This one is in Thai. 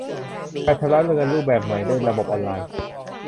การชำระเงินรูปแบบใหม่ด้วยระบบออนไลน์